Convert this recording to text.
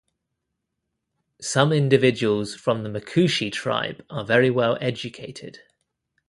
Some individuals from the Macushi tribe are very well educated.